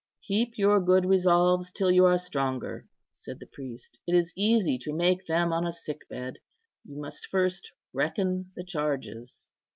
"Keep your good resolves till you are stronger," said the priest. "It is easy to make them on a sick bed. You must first reckon the charges."